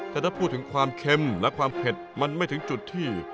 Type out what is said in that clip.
แต่ถ้าพูดถึงความเค็มและความเผ็ดมันไม่ถึงจุดที่